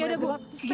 ya udah bu pergi aja